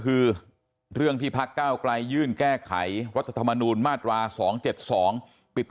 คือเรื่องที่พักก้าวไกลยื่นแก้ไขรัฐธรรมนูญมาตรา๒๗๒ปิด